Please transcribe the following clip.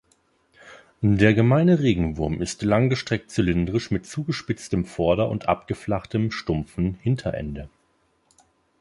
Der gemeine Regenwurm ist langgestreckt zylindrisch mit zugespitztem Vorder- und abgeflachtem, stumpfen Hinterende.